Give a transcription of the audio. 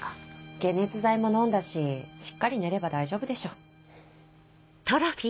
解熱剤も飲んだししっかり寝れば大丈夫でしょ。